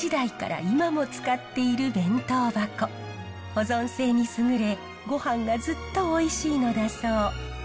保存性に優れごはんがずっとおいしいのだそう。